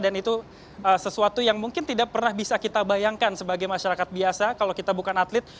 dan itu sesuatu yang mungkin tidak pernah bisa kita bayangkan sebagai masyarakat biasa kalau kita bukan atlet